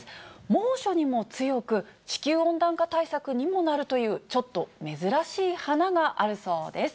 猛暑にも強く、地球温暖化対策にもなるという、ちょっと珍しい花があるそうです。